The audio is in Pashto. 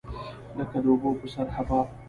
لکه د اوبو په سر حباب.